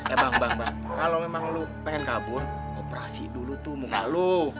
eh bang bang bang kalau memang lo pengen kabur operasi dulu tuh mau ngaruh